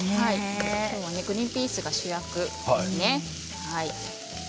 今日はグリーンピースが主役ですね。